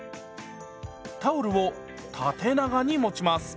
タオルを縦長に持ちます。